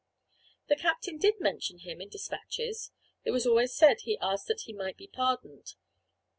The captain did mention him in the despatches. It was always said he asked that he might be pardoned.